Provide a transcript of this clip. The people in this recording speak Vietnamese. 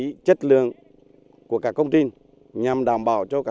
tuy nhiên do nhiều công trình được xây dựng từ khá lâu